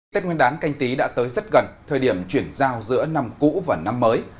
tết nguyên đán canh tí đã tới rất gần thời điểm chuyển giao giữa năm cũ và năm mới